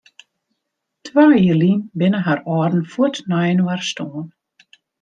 Twa jier lyn binne har âlden fuort nei inoar stoarn.